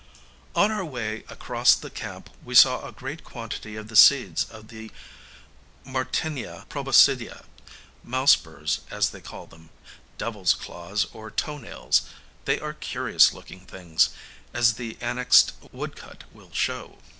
On our way across the camp we saw a great quantity of the seeds of the Martynia proboscidea, mouse burrs as they call them, devil's claws or toe nails: they are curious looking things, as the annexed woodcut will show.